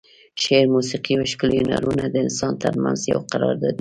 شعر، موسیقي او ښکلي هنرونه د انسانانو ترمنځ یو قرارداد دی.